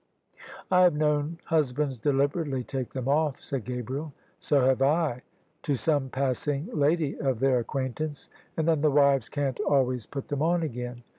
" I have known husbands deliberately take them off," said Gabriel. " So have I : to some passing lady of their acquaintance : and then the wives can't always put them on again.